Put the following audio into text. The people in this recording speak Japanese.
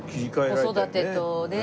子育てとね。